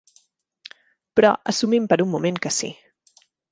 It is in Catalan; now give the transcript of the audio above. Però assumim per un moment que sí.